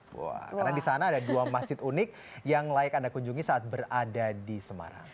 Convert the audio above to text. karena di sana ada dua masjid unik yang layak anda kunjungi saat berada di semarang